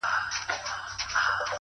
هره پوښتنه د کشف نوې دروازه ده,